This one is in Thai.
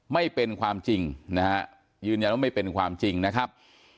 ไม่เป็นความจริงนะฮะยืนยันว่าไม่เป็นความจริงนะครับ